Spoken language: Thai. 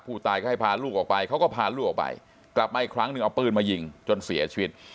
ผู้ตายก็ให้พาลูกออกไปเขาก็พาลูกออกไปกลับมาอีกครั้งหนึ่งเอาปืนมายิงจนเสียชีวิต